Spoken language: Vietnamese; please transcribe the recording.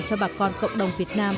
của cộng đồng việt nam